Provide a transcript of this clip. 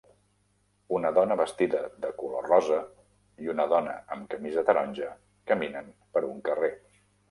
Una dona vestida de color rosa i una dona amb camisa taronja caminen per un carrer.